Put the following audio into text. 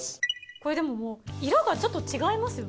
これでももう色がちょっと違いますよね。